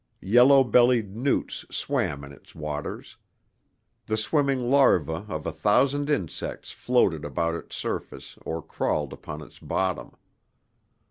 Yellow bellied newts swam in its waters. The swimming larvae of a thousand insects floated about its surface or crawled upon its bottom.